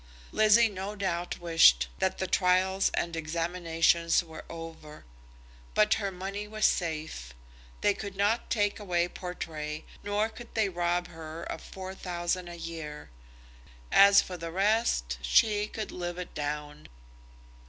Lizzie no doubt wished that the trials and examinations were over; but her money was safe. They could not take away Portray, nor could they rob her of four thousand a year. As for the rest, she could live it down.